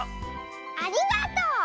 ありがとう！